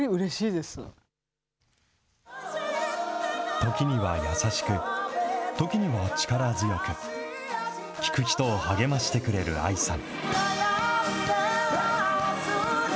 時には優しく、時には力強く、聴く人を励ましてくれるＡＩさん。